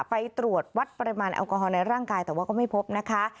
ไปตรวจวัดปริมาณแอลกอฮอลในร่างกายแต่ว่าก็ไม่พบนะคะ